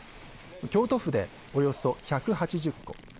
京都府でおよそ１８０戸